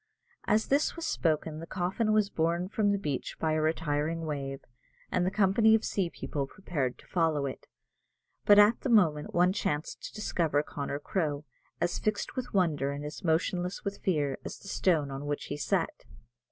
As this was spoken the coffin was borne from the beach by a retiring wave, and the company of sea people prepared to follow it; but at the moment one chanced to discover Connor Crowe, as fixed with wonder and as motionless with fear as the stone on which he sat.